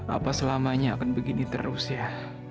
apa selamanya akan begini terus ya